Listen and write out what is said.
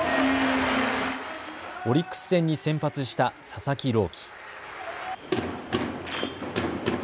オリックス戦に先発した佐々木朗希。